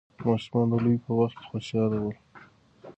ماشومان د لوبې په وخت خوشحاله ول.